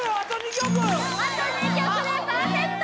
あと２曲でパーフェクト！